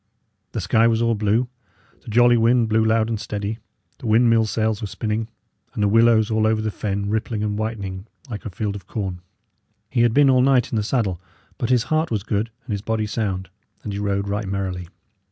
The sky was all blue; the jolly wind blew loud and steady; the windmill sails were spinning; and the willows over all the fen rippling and whitening like a field of corn. He had been all night in the saddle, but his heart was good and his body sound, and he rode right merrily.